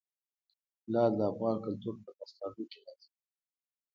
لعل د افغان کلتور په داستانونو کې راځي.